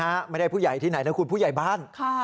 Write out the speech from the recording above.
โอ้เราได้ยินนะประมาณ